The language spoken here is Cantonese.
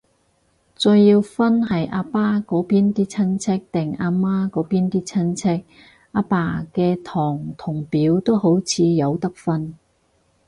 再要分係阿爸嗰邊啲親戚，定阿媽嗰邊啲親戚，阿爸嘅堂同表都好似有得分